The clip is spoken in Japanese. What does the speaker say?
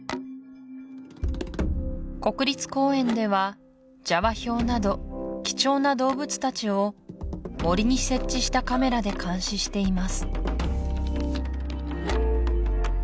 国立公園ではジャワヒョウなど貴重な動物たちを森に設置したカメラで監視しています